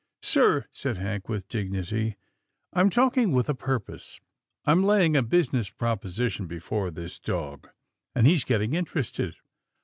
" Sir," said Hank with dignity, " I'm talking with a purpose. I'm laying a business proposition before this dog, and he's getting interested.